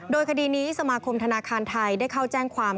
โดยคดีนี้สมาคมธนาคารไทยได้เข้าแจ้งความ